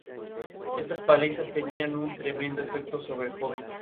En esta temporada, Lois y Clark empiezan una relación sentimental de forma oficial.